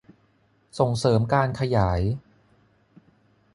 ส่งเสริมการขยาย